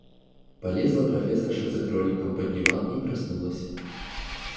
Полезла профессорша за кроликом под диван и проснулась.